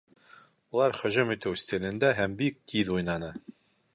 Улар һөжүм итеү стилендә һәм бик тиҙ уйнаны